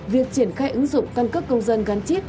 việc triển khai ứng dụng căn cước công dân gắn chip